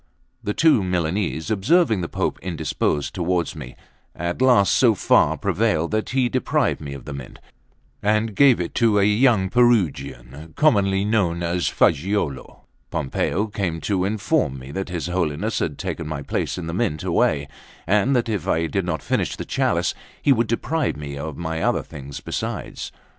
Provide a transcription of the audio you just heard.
The two Milanese, observing the Pope indisposed towards me, at last so far prevailed that he deprived me of the Mint, and gave it to a young Perugian, commonly known as Fagiuolo. Pompeo came to inform me that his Holiness had taken my place in the Mint away, and that if I did not finish the chalice, he would deprive me of other things besides.